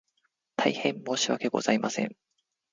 大変申し訳ございません